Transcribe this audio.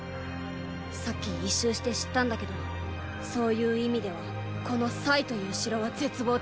さっき一周して知ったんだけどそういう意味ではこの“”という城は絶望的だ。